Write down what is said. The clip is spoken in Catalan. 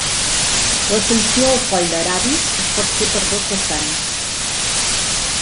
L'ascensió al coll d'Aravis es pot fer per dos vessants.